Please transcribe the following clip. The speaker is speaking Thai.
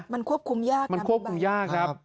มันควบคุมยากมันควบคุมยากครับ